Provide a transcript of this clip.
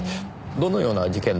どのような事件で？